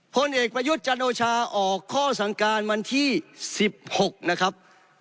พลเอกประยุทธ์จันโอชาออกข้อสั่งการวันที่๑๖นะครับ